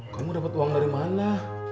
kamu dapat uang dari mana